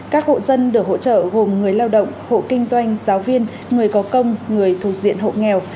các hộ dân được hỗ trợ gồm người lao động hộ kinh doanh giáo viên người có công người thuộc diện hộ nghèo